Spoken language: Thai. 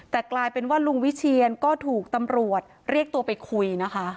แต่กลายเป็นว่าลุงวิเชียนก็ถูกตำรวจเรียกตัวไปคุยนะคะ